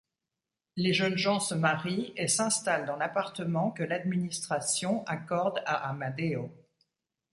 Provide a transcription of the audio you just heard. Les jeunes gens se marient et s'installent dans l'appartement que l'Administration accorde à Amadeo.